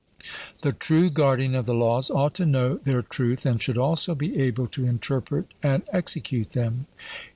The true guardian of the laws ought to know their truth, and should also be able to interpret and execute them?